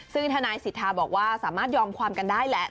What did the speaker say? ซึ่งทนายสิทธาบอกว่าสามารถยอมความกันได้แหละ